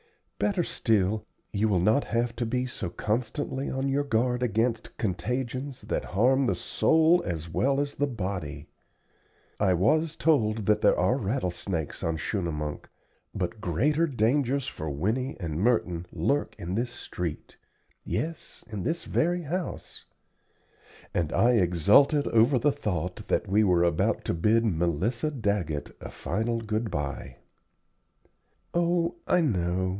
Better still, you will not have to be so constantly on your guard against contagions that harm the soul as well as the body. I was told that there are rattle snakes on Schunemunk, but greater dangers for Winnie and Merton lurk in this street yes, in this very house;" and I exulted over the thought that we were about to bid Melissa Daggett a final good by. "Oh, I know.